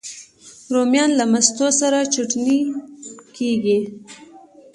رومیان له مستو سره چټني کېږي